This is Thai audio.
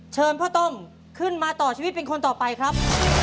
เชิญพ่อต้มขึ้นมาต่อชีวิตเป็นคนต่อไปครับ